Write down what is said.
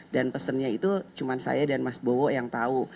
dan pesannya itu cuma saya dan mas bowo yang tahu